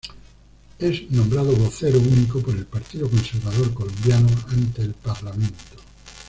Es nombrado vocero único por el Partido Conservador Colombiano ante el parlamento.